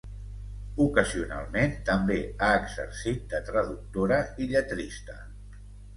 Ocasionalment també ha exercit de traductora i lletrista.